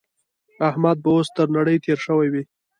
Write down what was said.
احمد به اوس تر نړۍ تېری شوی وي.